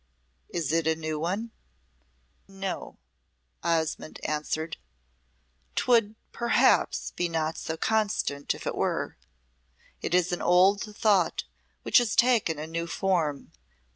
"Is it a new one?" "No," Osmonde answered; "'twould perhaps not be so constant if it were. It is an old thought which has taken a new form.